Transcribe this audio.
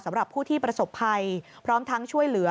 สำหรับผู้ที่ประสบภัยพร้อมทั้งช่วยเหลือ